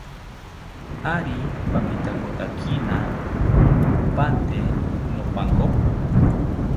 ¿Ari pamitakotakina pante nopanko?